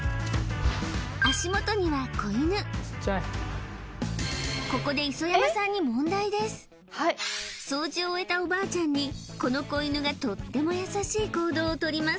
足もとには子犬ここで掃除を終えたおばあちゃんにこの子犬がとっても優しい行動をとります